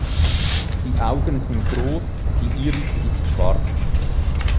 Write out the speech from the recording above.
Die Augen sind groß, die Iris ist schwarz.